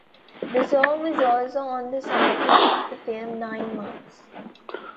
The song was also on the soundtrack of the film, "Nine Months".